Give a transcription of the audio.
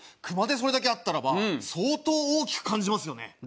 熊でそれだけあったらば相当大きく感じますよね。